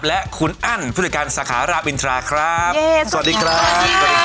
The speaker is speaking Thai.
และคุณอั้นผู้จัดการสาขารามอินทราครับสวัสดีครับ